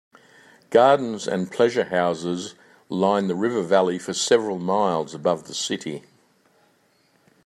Gardens and pleasure houses line the river valley for several miles above the city.